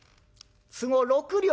都合６両